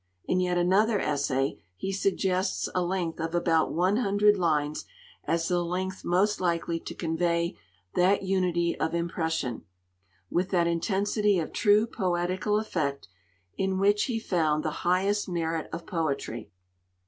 In yet another essay he suggests 'a length of about one hundred lines' as the length most likely to convey that unity of impression, with that intensity of true poetical effect, in which he found the highest merit of poetry.